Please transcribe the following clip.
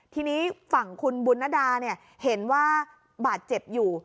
ทีนี้ฝั่งคุณบุญนดาเห็นว่าบาดเจ็บอยู่